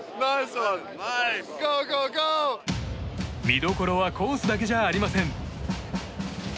見どころはコースだけじゃありません。